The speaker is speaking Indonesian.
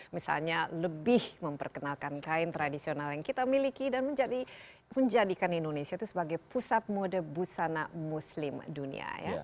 misalnya lebih memperkenalkan kain tradisional yang kita miliki dan menjadikan indonesia itu sebagai pusat mode busana muslim dunia